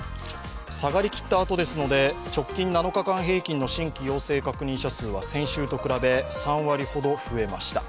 下がりきった後ですので、直近７日間平均の新規陽性確認者数は先週と比べ、３割ほど増えました。